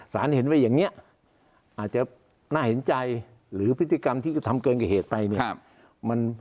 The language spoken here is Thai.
เห็นว่าอย่างนี้อาจจะน่าเห็นใจหรือพฤติกรรมที่ทำเกินกว่าเหตุไปเนี่ย